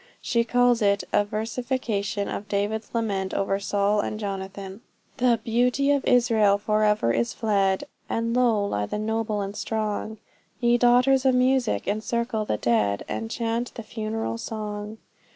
She calls it "a Versification of David's lament over Saul and Jonathan." The 'beauty of Israel' forever is fled, And low lie the noble and strong; Ye daughters of music encircle the dead, And chant the funereal song.